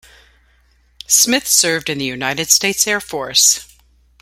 Smith served in the United States Air Force.